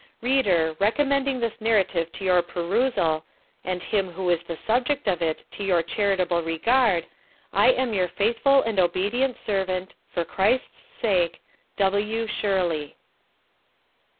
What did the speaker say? Reader, recommending this Narrative to your perusal, and him who is the Subject of it to your charitable Regard, I am your faithful and obedient Servant, For Christ's Sake, W. Shirley.